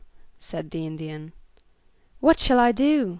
said the Indian. "What shall I do?"